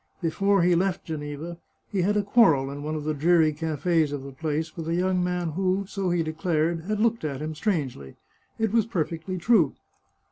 Before he left Geneva, he had a quarrel in one of the dreary cafes of the place, with a young man who, so he declared, had looked at him strangely. It was perfectly true.